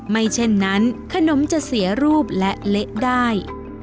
เช่นนั้นขนมจะเสียรูปและเละได้